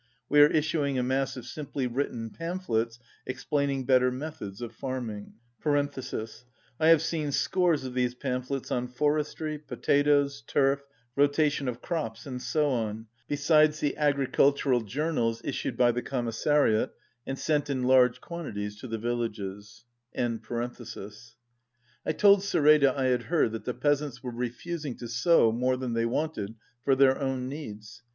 We are issuing a mass of simply written pamphlets explaining better methods of farming." (I have seen scores of these pamphlets on for estry, potatoes, turf, rotation of crops, and so on, besides the agricultural journals issued by the Commissariat and sent in large quantities to the villages.) I told Seteda I had heard that the peasants were refusing to sow more than they wanted for their own needs.